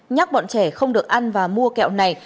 nhắc bọn trẻ không được ăn và mua kẹo này